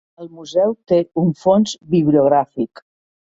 El Museu té un fons bibliogràfic.